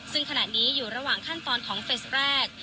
ซึ่งขณะนี้อยู่ระหว่างขั้นตอนของเฟสแรก